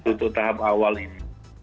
untuk tahap awal ini